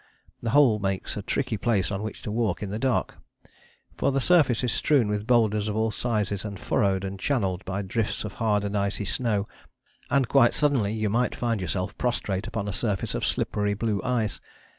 The whole makes a tricky place on which to walk in the dark, for the surface is strewn with boulders of all sizes and furrowed and channelled by drifts of hard and icy snow, and quite suddenly you may find yourself prostrate upon a surface of slippery blue ice.